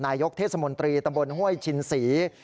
นายกเทศมนตรีตำบลห้วยชินศรี